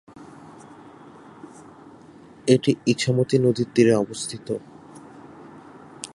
এটি ইছামতি নদীর তীরে অবস্থিত।